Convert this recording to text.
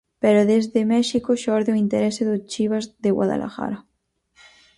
Pero desde México xorde o interese do Chivas de Guadalajara.